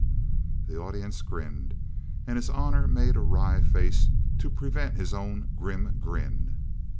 The audience grinned, and his honor made a wry face to prevent his own grim grin.